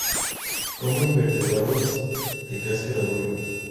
Come invertebrado s de cáscara dura.